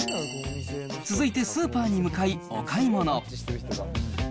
続いてスーパーに向かい、お買い物。